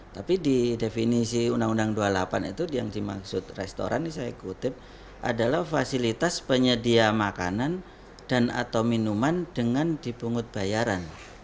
tapi di definisi undang undang dua puluh delapan itu yang dimaksud restoran ini saya kutip adalah fasilitas penyedia makanan dan atau minuman dengan dipungut bayaran